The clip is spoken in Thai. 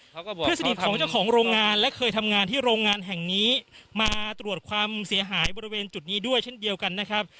เพื่อนสนิทของเจ้าของโรงงานและเคยทำงานที่โรงงานแห่งนี้มาตรวจความเสียหายบริเวณจุดนี้ด้วยเช่นเดียวกันนะครับ